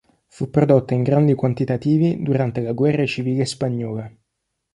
Fu prodotta in grandi quantitativi durante la Guerra civile spagnola.